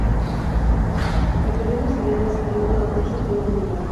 Del periodo exiliado es su libro "Las noches de un emigrado".